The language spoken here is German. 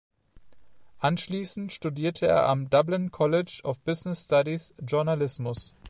Anschließend studierte er am Dublin College of Business Studies Journalismus.